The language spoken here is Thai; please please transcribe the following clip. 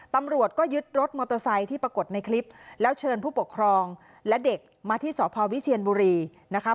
ตำรวจก็ยึดรถมอเตอร์ไซค์ที่ปรากฏในคลิปแล้วเชิญผู้ปกครองและเด็กมาที่สพวิเชียนบุรีนะคะ